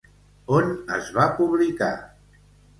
On es va publicar?